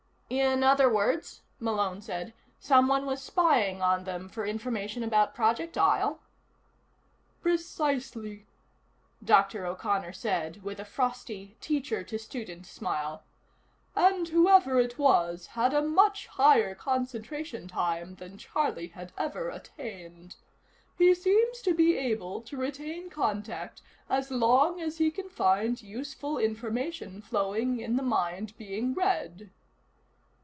"In other words," Malone said, "someone was spying on them for information about Project Isle?" "Precisely," Dr. O'Connor said with a frosty, teacher to student smile. "And whoever it was had a much higher concentration time than Charlie had ever attained. He seems to be able to retain contact as long as he can find useful information flowing in the mind being read."